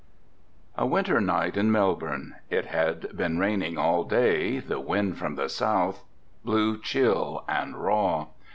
A winter night in Melbourne; it had been raining all day, the wind from the south blew chill and raw.